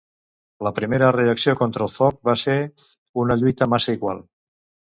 La primera reacció contra el foc va ser una lluita massa igual.